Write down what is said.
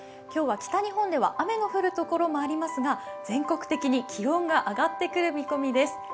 今日は北日本では雨の降るところもありますが、全国的に気温が上がってくる見込みです。